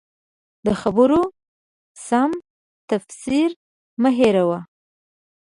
د خبرو سم تفسیر مه هېروه.